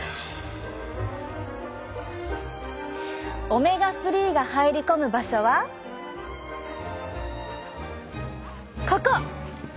オメガ３が入り込む場所はここ！